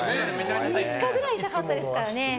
３日ぐらい痛かったですよ。